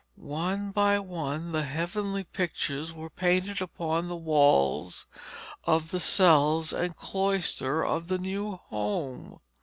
One by one the heavenly pictures were painted upon the walls of the cells and cloister of the new home.